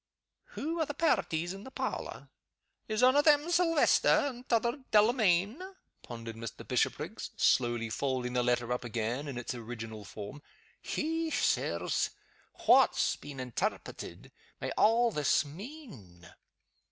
"Who are the pairties in the parlor? Is ane o' them 'Silvester?' and t'other 'Delamayn?'" pondered Mr. Bishopriggs, slowly folding the letter up again in its original form. "Hech, Sirs! what, being intairpreted, may a' this mean?"